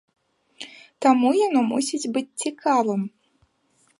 Таму яно мусіць быць цікавым!